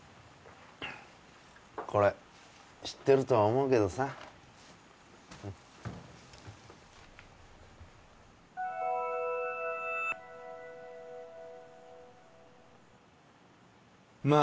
これ知ってるとは思うけどさまあ